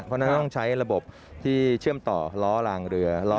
เพราะฉะนั้นต้องใช้ระบบที่เชื่อมต่อล้อรางเรือ